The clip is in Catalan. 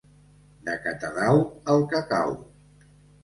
De Catadau, el cacau.